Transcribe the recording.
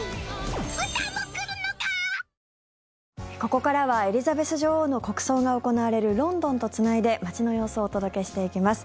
ここからはエリザベス女王の国葬が行われるロンドンとつないで街の様子をお届けしていきます。